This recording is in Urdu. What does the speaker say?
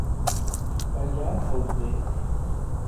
پنجاب ہاؤس میں۔